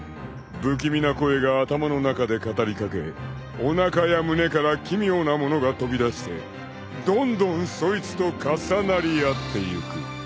［不気味な声が頭の中で語り掛けおなかや胸から奇妙なものが飛び出してどんどんそいつと重なり合ってゆく］